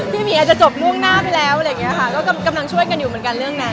พี่หมีอาจจะจบมุ่งหน้าไปแล้วกำลังช่วยกันอยู่เหมือนกันเรื่องนั้น